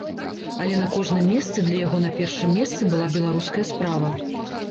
Але на кожным месцы для яго на першым месцы была беларуская справа.